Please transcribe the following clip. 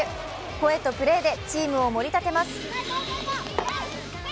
声とプレーでチームを盛り立てます。